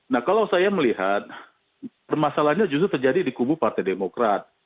nah kalau saya melihat permasalahannya justru terjadi di kubu partai demokrat